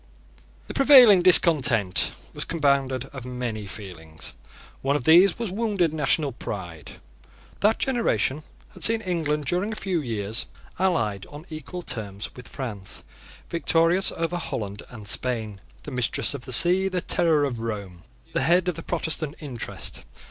The prevailing discontent was compounded of many feelings. One of these was wounded national pride. That generation had seen England, during a few years, allied on equal terms with France, victorious over Holland and Spain, the mistress of the sea, the terror of Rome, the head of the Protestant interest.